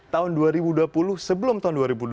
tahun dua ribu dua puluh sebelum tahun dua ribu dua puluh